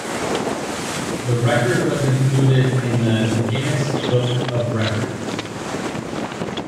The record was included in the "Guinness Book of Records".